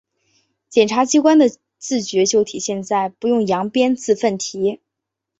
检察机关的自觉就体现在‘不用扬鞭自奋蹄’